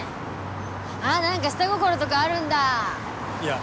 あっ何か下心とかあるんだいや